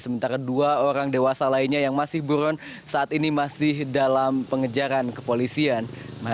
sementara dua orang dewasa lainnya yang masih buron saat ini masih dalam pengejaran kepolisian